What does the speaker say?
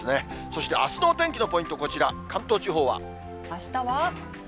そしてあすのお天気のポイント、こちら、関東地方は。